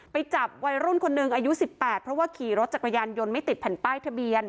ไปจับวัยรุ่นคนหนึ่งอายุ๑๘เพราะว่าขี่รถจักรยานยนต์ไม่ติดแผ่นป้ายทะเบียน